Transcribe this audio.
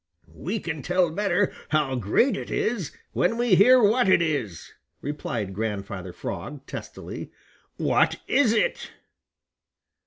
"We can tell better how great it is when we hear what it is," replied Grandfather Frog testily. "What is it?"